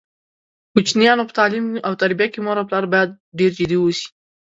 د کوچینیانو په تعلیم او تربیه کې مور او پلار باید ډېر جدي اوسي.